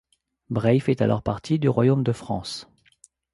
Breil fait alors partie du royaume de France.